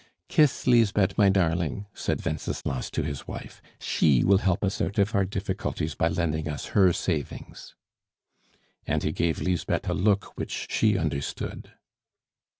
"Kiss Lisbeth, my darling," said Wenceslas to his wife. "She will help us out of our difficulties by lending us her savings." And he gave Lisbeth a look which she understood.